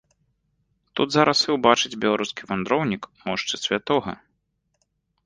Тут зараз і ўбачыць беларускі вандроўнік мошчы святога.